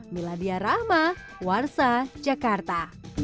meladia rahma warsa jakarta